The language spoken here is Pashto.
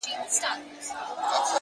زما زړه په محبت باندي پوهېږي!